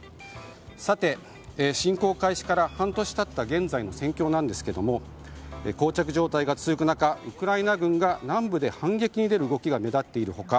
さて、侵攻開始から半年経った現在の戦況ですが膠着状態が続く中ウクライナ軍が南部で反撃に出る動きが目立っている他